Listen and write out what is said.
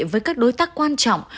với các đối tác quan trọng